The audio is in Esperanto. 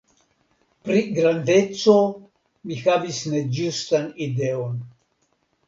Pri grandeco mi havis neĝustan ideon.